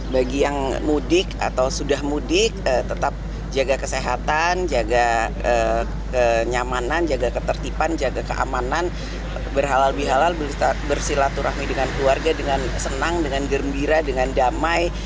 bagi yang mudik atau sudah mudik tetap jaga kesehatan jaga kenyamanan jaga ketertiban jaga keamanan berhalal bihalal bersilaturahmi dengan keluarga dengan senang dengan gembira dengan damai